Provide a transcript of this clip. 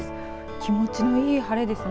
気持ちのいい晴れですね。